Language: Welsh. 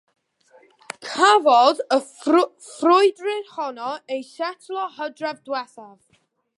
Cafodd y frwydr honno ei setlo hydref diwethaf.